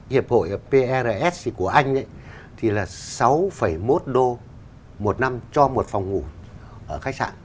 hiệp hội prs của anh thì là sáu một đô một năm cho một phòng ngủ ở khách sạn